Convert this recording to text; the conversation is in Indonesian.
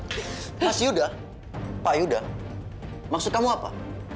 mas yuda pak yuda maksud kamu apa